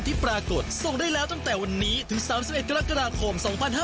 ที่ปรากฏส่งได้แล้วตั้งแต่วันนี้ถึง๓๑กรกฎาคม๒๕๕๙